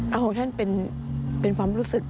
เอาของท่านเป็นความรู้สึก